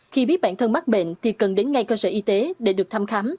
khi biết bản thân mắc bệnh thì cần đến ngay cơ sở y tế để được thăm khám